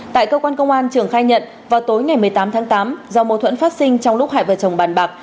tại cơ quan công an trường khai nhận vào tối ngày một mươi tám tháng tám do mâu thuẫn phát sinh trong lúc hải vợ chồng bàn bạc